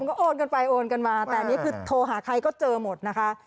ก็โอนกันไปโอนกันมาแต่อันนี้คือโทรหาใครก็เจอหมดนะคะ